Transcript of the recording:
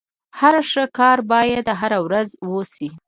هر ښه کار بايد هره ورځ وسي.